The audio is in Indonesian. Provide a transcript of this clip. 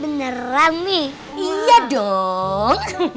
beneran nih iya dong